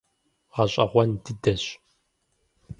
Гъэщӏэгъуэн дыдэщ.